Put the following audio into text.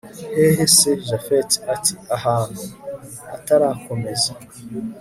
hehe se japhet ati ahantu…… atarakomeza